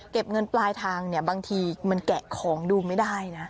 เก็บเงินปลายทางบางทีมันแกะของดูไม่ได้นะ